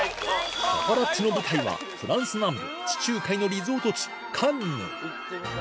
「パパラッチ」の舞台はフランス南部地中海のリゾート地カンヌ見てください！